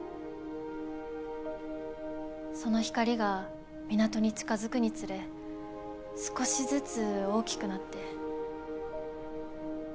その光が港に近づくにつれ少しずつ大きくなって。